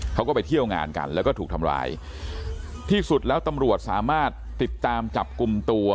เขาก็ไปเที่ยวงานกันแล้วก็ถูกทำร้ายที่สุดแล้วตำรวจสามารถติดตามจับกลุ่มตัว